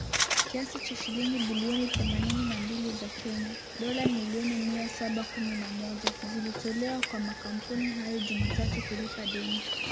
Kiasi cha shilingi bilioni themanini na mbili za Kenya, dola milioni mia saba kumi na moja, zilitolewa kwa makampuni hayo Jumatatu kulipa deni